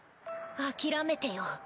あきらめてよ。